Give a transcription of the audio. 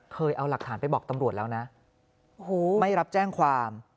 เคยเอาหลักฐานไปบอกตำรวจแล้วนะไม่รับแจ้งความ